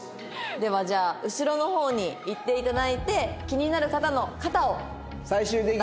ではじゃあ後ろの方に行っていただいて気になる方の肩をたたいてください。